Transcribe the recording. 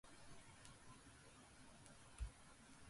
う ｍ ぬ ｊｎ